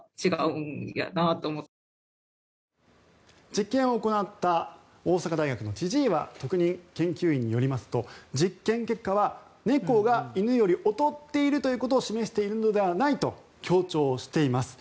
実験を行った大阪大学の千々岩特任研究員によりますと実験結果は猫が犬より劣っているということを示しているのではないと強調しています。